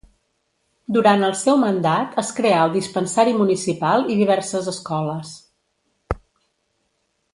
Durant el seu mandat es creà el Dispensari Municipal i diverses escoles.